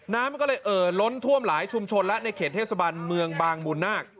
น้ำก็เลยล้นท่วมหลายชุมชนและในเขตเทศบาลเมืองบางบุณนัก